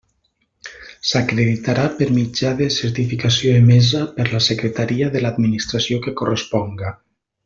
S'acreditarà per mitjà de certificació emesa per la Secretaria de l'administració que corresponga.